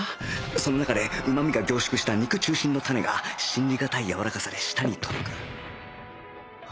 その中でうまみが凝縮した肉中心のタネが信じがたいやわらかさで舌に届く